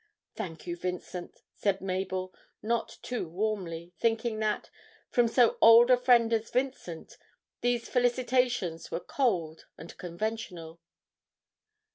'Thank you, Vincent,' said Mabel not too warmly, thinking that, from so old a friend as Vincent, these felicitations were cold and conventional.